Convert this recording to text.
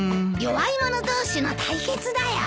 弱い者同士の対決だよ。